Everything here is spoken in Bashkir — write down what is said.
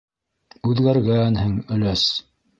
Үҙгәргәнһең, өләс...